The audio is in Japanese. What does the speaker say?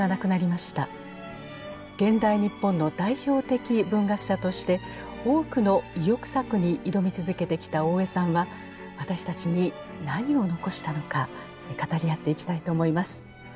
現代日本の代表的文学者として多くの意欲作に挑み続けてきた大江さんは私たちに何を残したのか語り合っていきたいと思います。